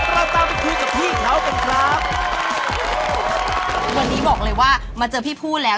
เราตามไปคุยกับพี่เขากันครับวันนี้บอกเลยว่ามาเจอพี่ผู้แล้ว